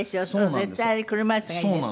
絶対あれ車椅子がいいです。